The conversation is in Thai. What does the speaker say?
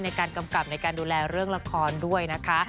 กำกับในการดูแลเรื่องละครด้วยนะคะ